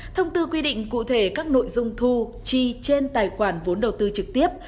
thông tư quy định cụ thể các nội dung thu chi trên tài khoản vốn đầu tư trực tiếp